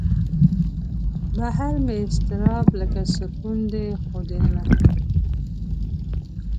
بهر مې اضطراب لکه سکون دی خو دننه